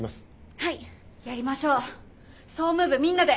はいやりましょう総務部みんなで。